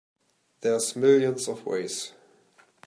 There's millions of ways.